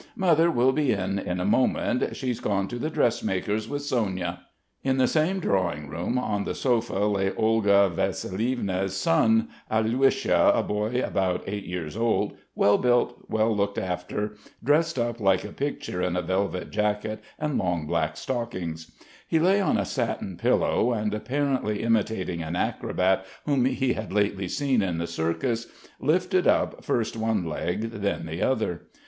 "Mother will be in in a moment. She's gone to the dressmaker's with Sonya." In the same drawing room on the sofa lay Olga Vassilievna's son, Alyosha, a boy about eight years old, well built, well looked after, dressed up like a picture in a velvet jacket and long black stockings. He lay on a satin pillow, and apparently imitating an acrobat whom he had lately seen in the circus, lifted up first one leg then the other.